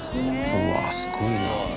うわすごいな。